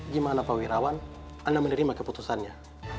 gimana pak wirawan anda menerima keputusannya